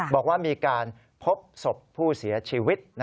บอกว่ามีการพบศพผู้เสียชีวิต